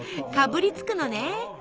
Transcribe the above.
かぶりつくのね？